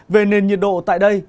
về nền nhiệt độ tại đây